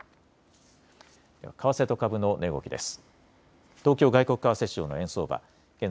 為替と株の値動きです。